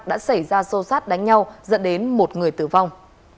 đã xảy ra sâu sát đánh nhau dẫn đến một người tử vong